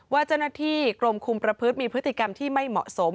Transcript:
ว่าเจ้าหน้าที่กรมคุมประพฤติมีพฤติกรรมที่ไม่เหมาะสม